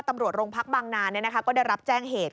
ตำรวจโรงพักบางนานก็ได้รับแจ้งเหตุ